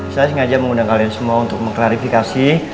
saya sengaja mengundang kalian semua untuk mengklarifikasi